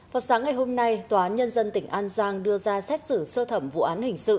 vào sáng ngày hôm nay tòa án nhân dân tỉnh an giang đưa ra xét xử sơ thẩm vụ án hình sự